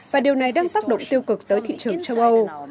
và điều này đang tác động tiêu cực tới thị trường châu âu